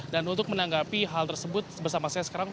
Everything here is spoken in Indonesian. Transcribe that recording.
dan untuk menanggapi hal tersebut bersama saya sekarang